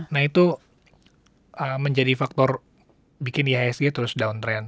nah itu menjadi faktor bikin ihsg terus downtrend